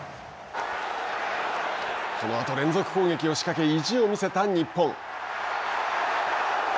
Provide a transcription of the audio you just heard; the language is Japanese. このあと連続攻撃を仕掛け意地を見せた日本。